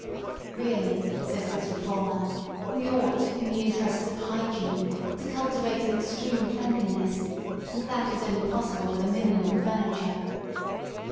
Really, says this reformer, we ought in the interests of hygiene to cultivate an extreme cleanliness^ and that is only possible with a minimum of furniture.